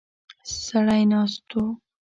سړی ناست و.